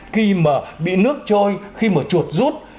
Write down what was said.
khi mà bị nước trôi khi mà chuột rút